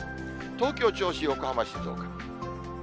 東京、銚子、横浜、静岡。